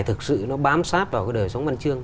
thực sự nó bám sát vào cái đời sống văn chương